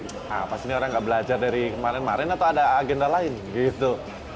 nah pas ini orang nggak belajar dari kemarin kemarin atau ada agenda lain gitu